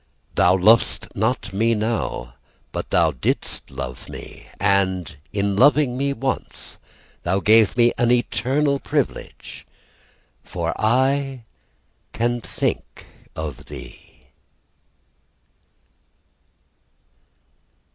Thou lovest not me now, But thou didst love me, And in loving me once Thou gavest me an eternal privilege, For I can think of thee.